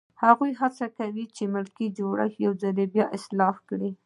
هغه هڅه وکړه چې ملکي جوړښت یو ځل بیا اصلاح کړي.